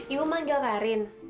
ibu manggil karin